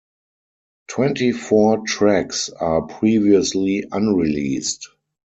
Twenty-four tracks are previously unreleased.